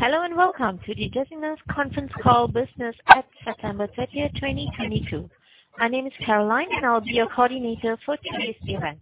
Hello, and Welcome to The Gecina Conference Call Business at September 30th, 2022. My name is Caroline, and I'll be your coordinator for today's event.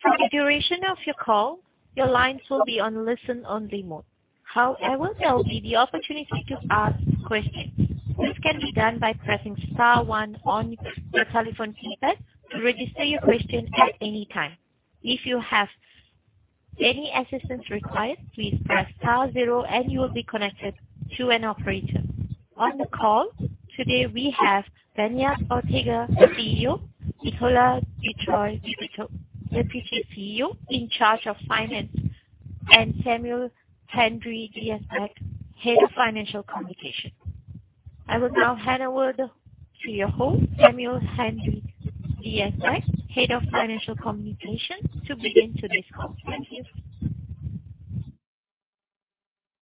For the duration of your call, your lines will be on listen-only mode. However, there will be the opportunity to ask questions. This can be done by pressing star one on your telephone keypad to register your question at any time. If you have any assistance required, please press star zero and you will be connected to an operator. On the call today we have Beñat Ortega, CEO, Nicolas Dutreuil, Deputy CEO in charge of Finance, and Samuel Henry-Diesbach, Head of Financial Communications. I will now hand over to your host, Samuel Henry-Diesbach, Head of Financial Communications, to begin today's call. Thank you.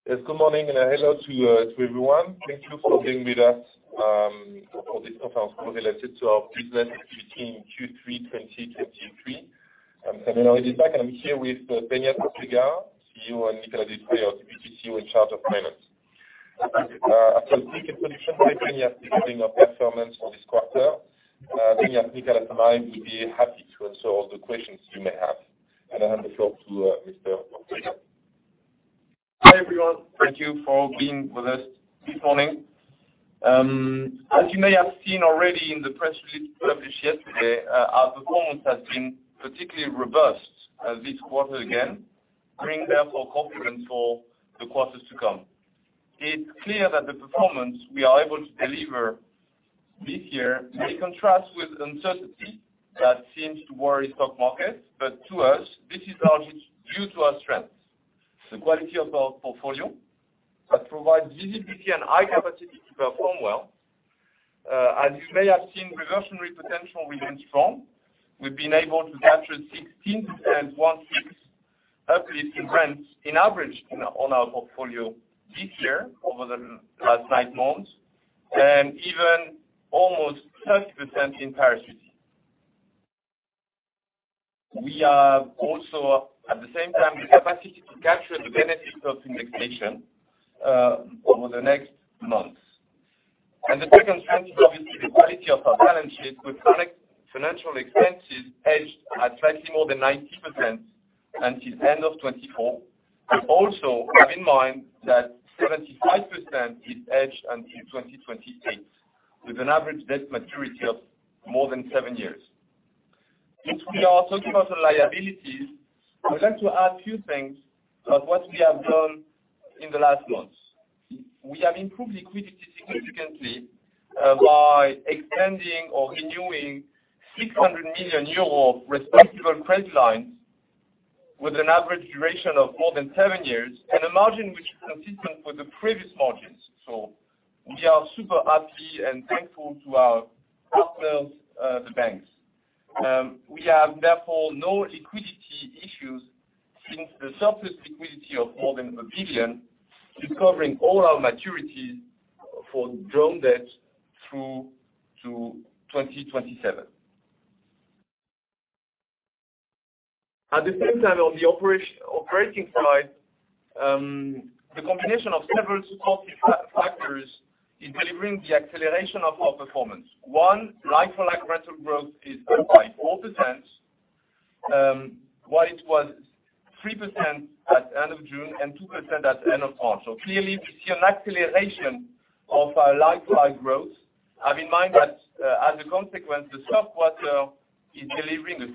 Yes, good morning and hello to everyone. Thank you for being with us for this conference call related to our business update in Q3 2023. I'm Samuel Henry-Diesbach, and I'm here with Beñat Ortega, CEO, and Nicolas Dutreuil, Deputy CEO in charge of Finance. After brief introduction by Beñat detailing our performance for this quarter, Beñat, Nicolas and I will be happy to answer all the questions you may have. I hand the floor to Mr. Ortega. Hi, everyone. Thank you for being with us this morning. As you may have seen already in the press release published yesterday, our performance has been particularly robust, this quarter again, bringing therefore confidence for the quarters to come. It's clear that the performance we are able to deliver this year may contrast with uncertainty that seems to worry stock markets. To us, this is largely due to our strengths, the quality of our portfolio that provides visibility and high capacity to perform well. As you may have seen, reversionary potential remains strong. We've been able to capture 16.16 yearly rents in average on our portfolio this year over the last nine months, and even almost 30% in Paris city. We have also, at the same time, the capacity to capture the benefits of Indexation over the next months. The second strength is obviously the quality of our balance sheet with financial expenses hedged at slightly more than 90% until end of 2024. Also have in mind that 75% is hedged until 2028, with an average debt maturity of more than seven years. Since we are talking about the liabilities, I'd like to add a few things about what we have done in the last months. We have improved liquidity significantly by extending or renewing 600 million euro revolving credit lines with an average duration of more than seven years, and a margin which is consistent with the previous margins. We are super happy and thankful to our partners, the banks. We have, therefore, no liquidity issues since the surplus liquidity of more than 1 billion is covering all our maturities for drawn debts through to 2027. At the same time, on the operating side, the combination of several supportive factors is delivering the acceleration of our performance. One, like-for-like rental growth is up by 4%, while it was 3% at end of June and 2% at end of August. Clearly we see an acceleration of our like-for-like growth. Have in mind that, as a consequence, the third quarter is delivering a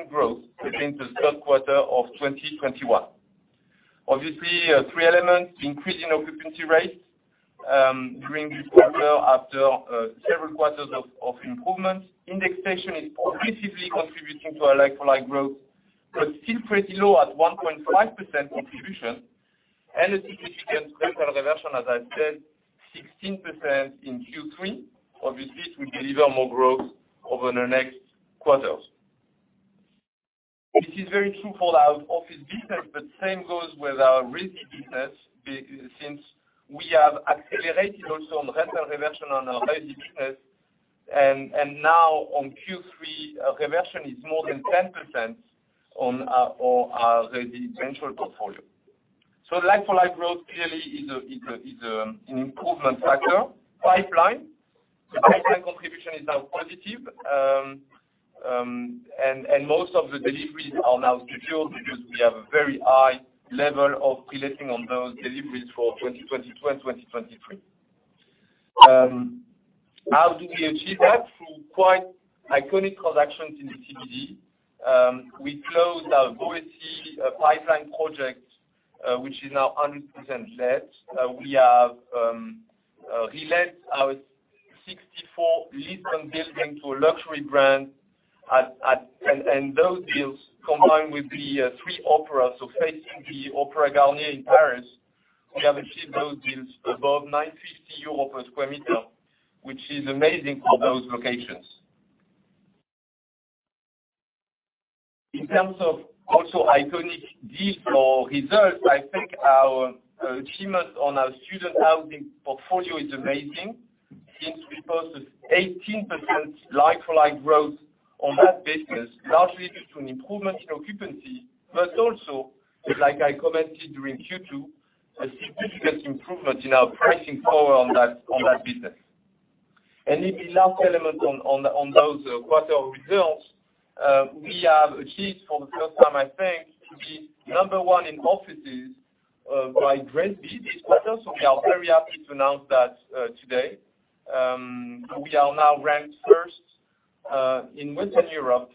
6% growth between the third quarter of 2021. Obviously, three elements, increase in occupancy rates during this quarter after several quarters of improvement. Indexation is progressively contributing to a like-for-like growth, but still pretty low at 1.5% contribution. A significant Rental Reversion, as I said, 16% in Q3. Obviously, it will deliver more growth over the next quarters. This is very true for our office business, but same goes with our resi business since we have accelerated also on Rental Reversion on our resi business and now on Q3, reversion is more than 10% on our resi venture portfolio. So like-for-like growth clearly is an improvement factor. The pipeline contribution is now positive. Most of the deliveries are now scheduled because we have a very high level of pre-leasing on those deliveries for 2022, 2023. How do we achieve that? Through quite iconic transactions in the CBD. We closed our Boëti pipeline project, which is now 100% let. We have relet our 64 Lisbonne building to a luxury brand. Those deals combined with the three Opéra. Facing the Opéra Garnier in Paris, we have achieved those deals above 950 euro sq.m, which is amazing for those locations. In terms of also iconic deals or results, I think our achievement on our student housing portfolio is amazing. We posted 18% like-for-like growth on that business, largely due to an improvement in occupancy, but also, like I commented during Q2, a significant improvement in our pricing power on that business. The last element on those quarter results, we have achieved for the first time, I think, to be number one in offices, by Grade A business. We are very happy to announce that today. We are now ranked first in Western Europe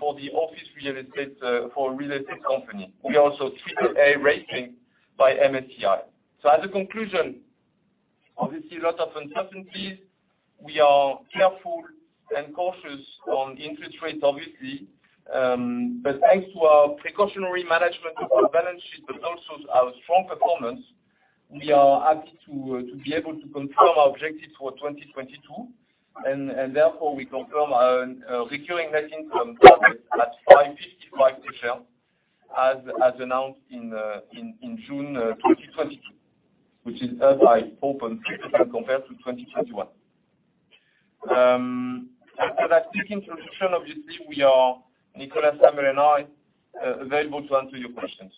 for the office real estate for real estate company. We also triple-A rating by MSCI. As a conclusion, obviously a lot of uncertainties. We are careful and cautious on interest rates obviously. But thanks to our precautionary management of our balance sheet, but also our strong performance, we are happy to be able to confirm our objectives for 2022, and therefore we confirm our recurring net income target at 5.55% as announced in June 2022, which is up by 4% compared to 2021. After that quick introduction obviously, we are, Nicolas, Samuel and I, available to answer your questions.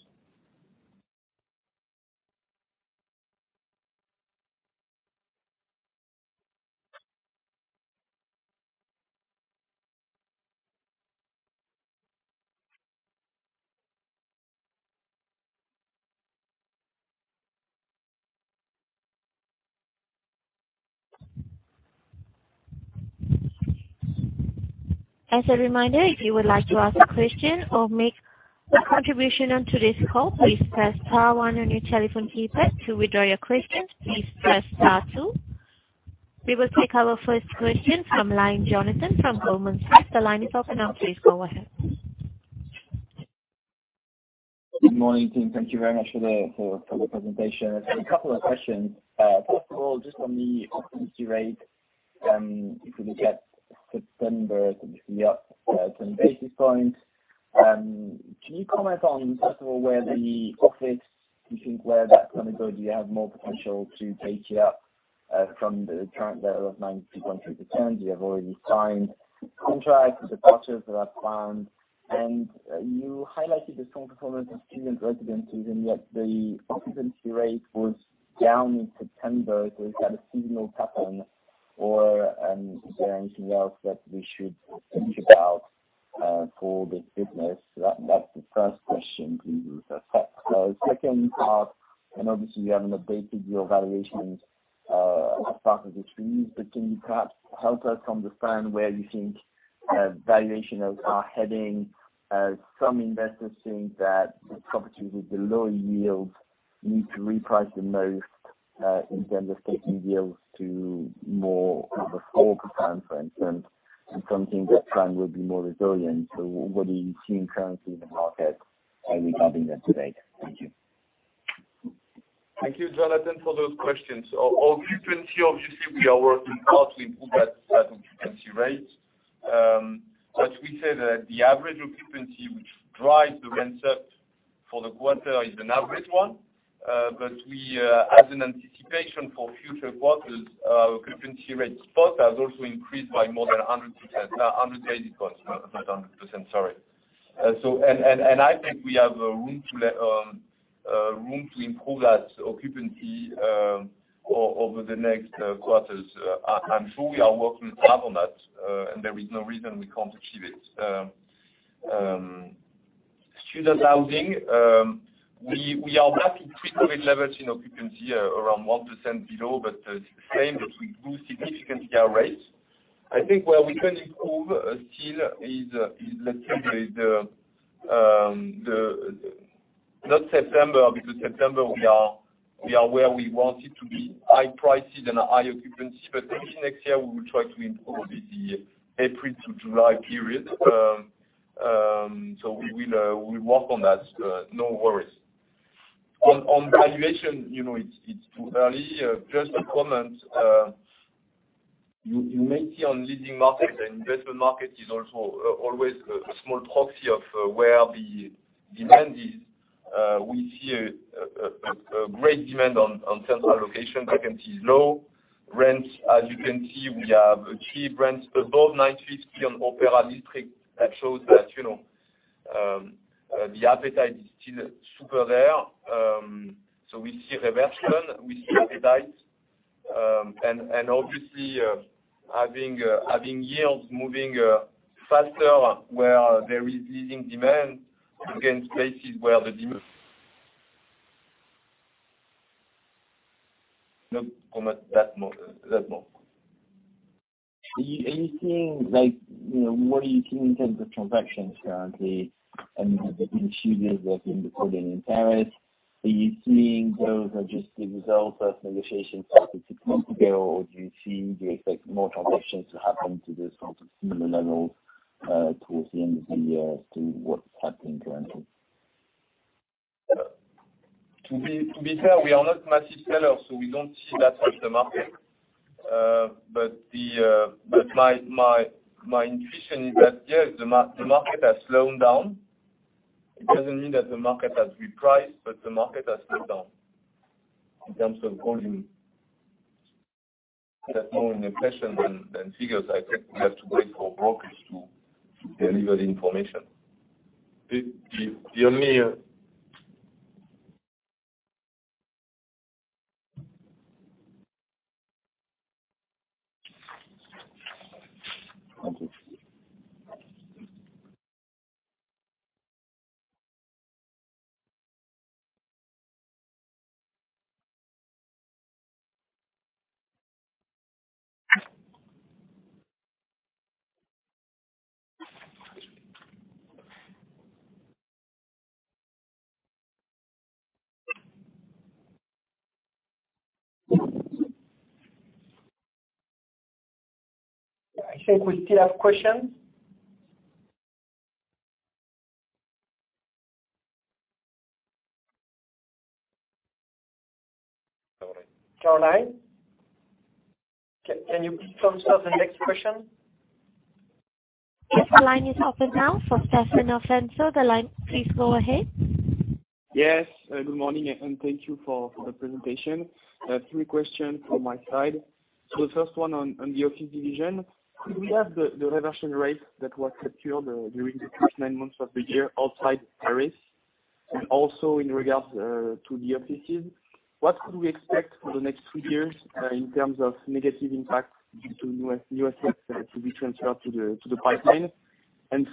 As a reminder, if you would like to ask a question or make a contribution on today's call, please press star one on your telephone keypad. To withdraw your question, please press star two. We will take our first question from line Jonathan Kownator from Goldman Sachs. The line is open now. Please go ahead. Good morning, team. Thank you very much for the presentation. A couple of questions. First of all, just on the occupancy rate, if we look at September, obviously up at some basis points. Can you comment on, first of all, for the office you think that can go? Do you have more potential to take it up from the current level of 90.2%? You have already signed contracts with the partners that I've found. You highlighted the strong performance of student residences, and yet the occupancy rate was down in September. Is that a seasonal pattern or is there anything else that we should think about for this business? That's the first question, please, Beñat. Second part, obviously you haven't updated your valuations as part of this release, but can you perhaps help us understand where you think valuations are heading? Some investors think that the properties with the lower yields need to reprice the most in terms of taking deals to more over 4%, for instance, and some think that trend will be more resilient. What are you seeing currently in the market regarding that today? Thank you. Thank you, Jonathan for those questions. On occupancy, obviously, we are working hard to improve that occupancy rates. We say that the average occupancy which drives the concept for the quarter is an average one. As an anticipation for future quarters, occupancy rates further has also increased by more than 100 basis points, not 100%. Sorry. I think we have room to improve that occupancy over the next quarters. I'm sure we are working hard on that, and there is no reason we can't achieve it. Student housing, we are happy to keep the levels in occupancy around 1% below, but it's stable that we grew significantly our rates. I think where we can improve still is let's say the. Not September because September we are where we wanted to be, high prices and a high occupancy. But maybe next year we will try to improve the April to July period. So we will, we work on that, no worries. On valuation, you know, it's too early. Just a comment, you may see on leading markets and investment markets is also always a great demand on central location. Vacancy is low. Rents, as you can see, we have achieved rents above 9.50 on Opéra district. That shows that, you know, the appetite is still super there. So we see reversion. We see appetite. Obviously, having yields moving faster where there is leading demand against places where the demand. No comment. That more. Are you seeing like, you know, what are you seeing in terms of transactions currently? I mean, have there been changes within the leasing in Paris? Are you seeing those are just the result of negotiations started six months ago? Or do you see, do you expect more transactions to happen to this sort of similar levels towards the end of the year to what's happening currently? To be fair, we are not massive sellers, so we don't see that on the market. My intuition is that yes, the market has slowed down. It doesn't mean that the market has repriced, but the market has slowed down in terms of volume. That's more an impression than figures. I think we have to wait for brokers to deliver the information. Thank you. I think we still have questions. All right. Caroline? Can you please put us to the next question? Yes. The line is open now for Stéphanie Dossmann. Please go ahead. Yes, good morning, and thank you for the presentation. I have three questions from my side. The first one on the office division, could we have the reversion rate that was secured during the first nine months of the year outside Paris? Also in regards to the offices, what could we expect for the next three years in terms of negative impact due to U.S. assets to be transferred to the pipeline?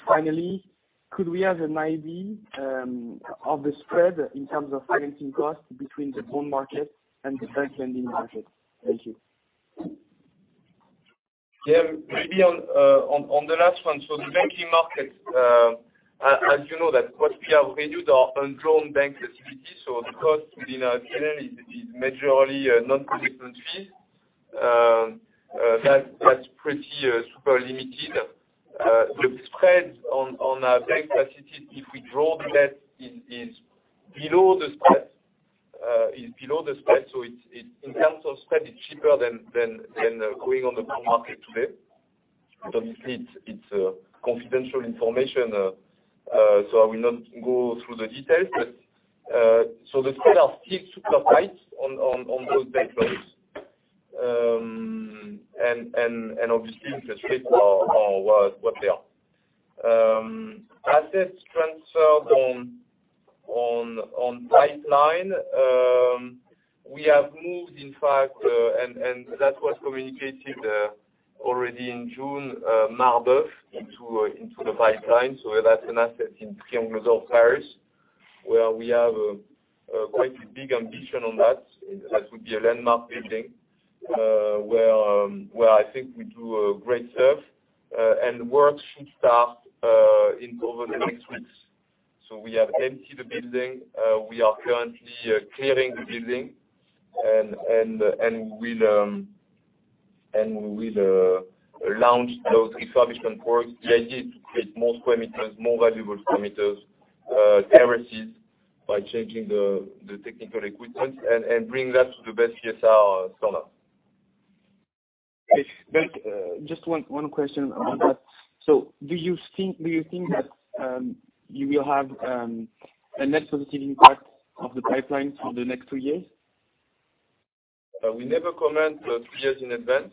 Finally, could we have an idea of the spread in terms of financing costs between the bond market and the bank lending market? Thank you. Yeah. Maybe on the last one, the banking market, as you know, we have reduced our undrawn bank facilities, so the cost within our tier is majorly non-callable. That's pretty super limited. The spread on our bank facilities, if we draw the debt, is below the spread, so in terms of spread, it's cheaper than going on the bond market today. Obviously, it's confidential information, so I will not go through the details. The spread are still super tight on those pipelines. Obviously interest rates are what they are. Assets transferred onto the pipeline, we have moved, in fact, and that was communicated already in June, Marbeuf into the pipeline. That's an asset in Triangle d'Or, where we have quite a big ambition on that. That would be a landmark building, where I think we do great stuff. Work should start over the next weeks. We have emptied the building. We are currently clearing the building and we'll launch those refurbishment works. The idea is to create more square meters, more valuable square meters, terraces by changing the technical equipment and bring that to the best PSR solaire. Okay. Just one question on that. Do you think that you will have a net positive impact of the pipeline for the next two years? We never comment two years in advance.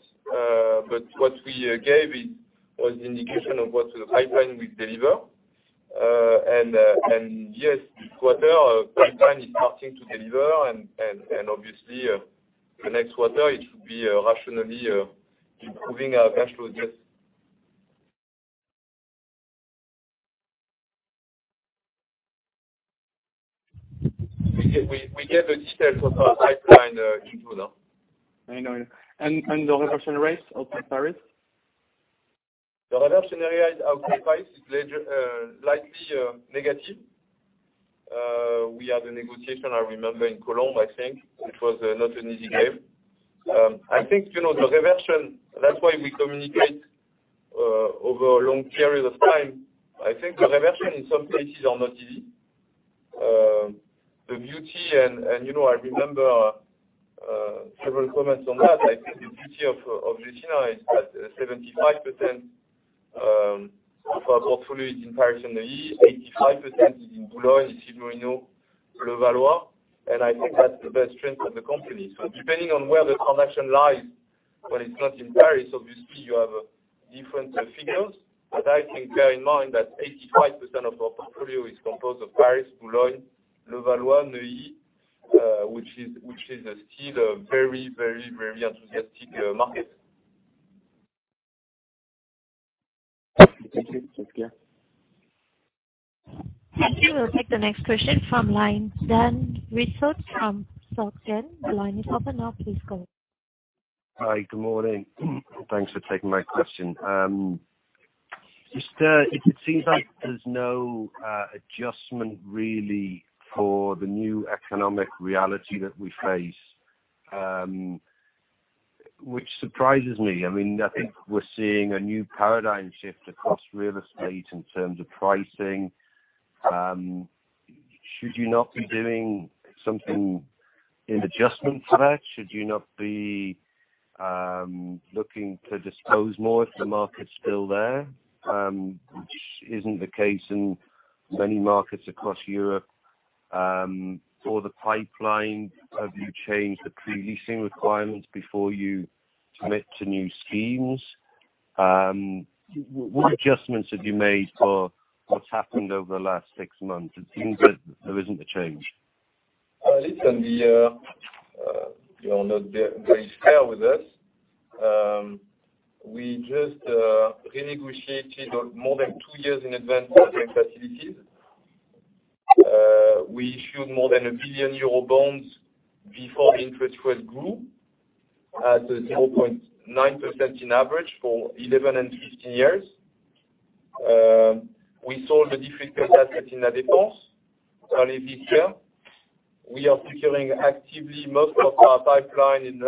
What we gave was indication of what the pipeline will deliver. Yes, this quarter our pipeline is starting to deliver and obviously, the next quarter it should be rationally improving our cash flow, yes. We give the details of our pipeline in June. I know. The reversion rates of Paris? The reversion rates of Paris are lower, slightly negative. We had a negotiation, I remember, in Colombes, I think. It was not an easy game. I think, you know, the reversion, that's why we communicate over a long period of time. I think the reversion in some cases are not easy. The beauty and you know, I remember several comments on that. I think the beauty of Gecina is that 75% of our portfolio is in Paris and the East, 85% is in Boulogne, Saint-Mandé, Levallois. I think that's the best strength of the company. Depending on where the transaction lies, when it's not in Paris, obviously you have different figures. I think bear in mind that 85% of our portfolio is composed of Paris, Boulogne, Levallois, Neuilly, which is still a very enthusiastic market. Thank you. Thanks again. Thank you. We'll take the next question from line Dan Serjeant from SocGen. The line is open now. Please go ahead. Hi. Good morning. Thanks for taking my question. Just, it seems like there's no adjustment really for the new economic reality that we face, which surprises me. I mean, I think we're seeing a new paradigm shift across real estate in terms of pricing. Should you not be doing something in adjustment for that? Should you not be looking to dispose more if the market's still there, which isn't the case in many markets across Europe. For the pipeline, have you changed the pre-leasing requirements before you commit to new schemes? What adjustments have you made for what's happened over the last six months? It seems that there isn't a change. Listen, you are not being fair with us. We just renegotiated more than two years in advance banking facilities. We issued more than 1 billion euro bonds before the interest rate grew at a 0.9% on average for 11 and 15 years. We sold a difficult asset in La Défense early this year. We are securing actively most of our pipeline in